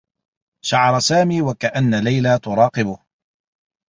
شعر سامي و كأنّ ليلى تراقبه.